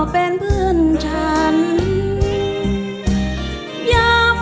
เธอจะรักมาก๘๙๙๐๐๖